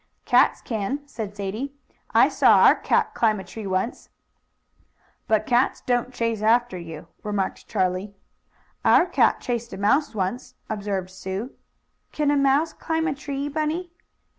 "Cats can," said Sadie. "I saw our cat climb a tree once." "But cats don't chase after you," remarked Charlie. "Our cat chased a mouse once," observed Sue. "Can a mouse climb a tree, Bunny?"